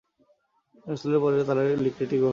মোসুলের পরে, তারা লিক্রিটি গ্রহণ করতে পারে।